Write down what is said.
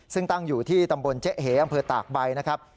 ซึ่งตั้งอยู่ที่ตำบลเจ๊เหอำเภอตากใบนะครับ